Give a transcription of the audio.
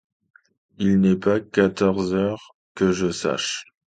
Il n’est pas quatorze heures, que je sache ?